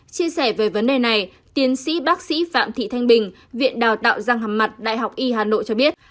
chia sẻ về vấn đề này tiến sĩ bác sĩ phạm thị thanh bình viện đào tạo răng hàm mặt đại học y hà nội cho biết